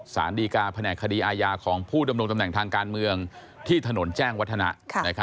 สารดีการแผนกคดีอาญาของผู้ดำรงตำแหน่งทางการเมืองที่ถนนแจ้งวัฒนะ